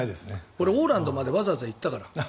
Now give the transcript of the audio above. オーランドまで俺、わざわざ行ったから。